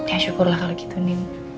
ya syukurlah kalo gitu nin